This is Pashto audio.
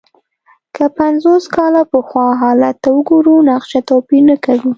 که پنځوس کاله پخوا حالت ته وګورو، نقشه توپیر نه کوي.